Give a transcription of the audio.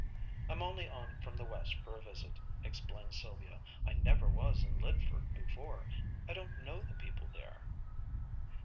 "I'm only on from the West for a visit," explained Sylvia. "I never was in Lydford before. I don't know the people there."